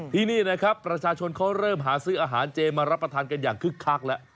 ที่นี่นะครับประชาชนเขาเริ่มหาซื้ออาหารเจมารับประทานกันอย่างคึกคักแล้ว